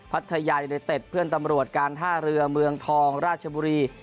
พัทยายเต็ดเพื่อนตำรวจการท่าเรือเมืองทองราชบุรี